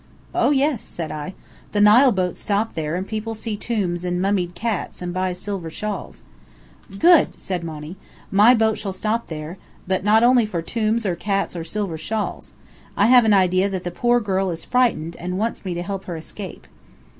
"Oh, yes," said I. "The Nile boats stop there and people see tombs and mummied cats and buy silver shawls." "Good!" said Monny. "My boat shall stop there, but not only for tombs or cats or silver shawls. I have an idea that the poor girl is frightened, and wants me to help her escape."